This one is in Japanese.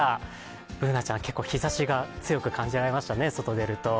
Ｂｏｏｎａちゃん、結構日ざしが強く感じられましたね、外に出ると。